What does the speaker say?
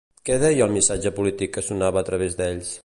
Què deia el missatge polític que sonava a través d'ells?